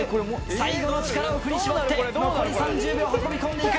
最後の力を振り絞って残り３０秒運び込んで行く。